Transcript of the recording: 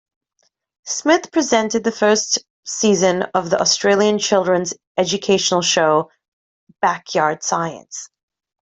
Smith presented the first season of the Australian children's educational show "Backyard Science".